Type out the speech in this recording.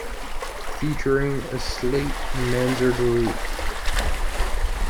Featuring a slate mansard roof.